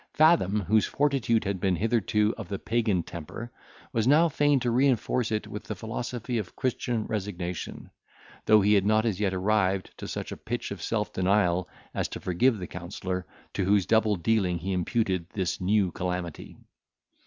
Fathom, whose fortitude had been hitherto of the pagan temper, was now fain to reinforce it with the philosophy of Christian resignation, though he had not as yet arrived to such a pitch of self denial as to forgive the counsellor, to whose double dealing he imputed this new calamity.